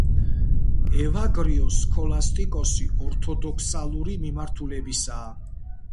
ევაგრიოს სქოლასტიკოსი ორთოდოქსალური მიმართულებისაა.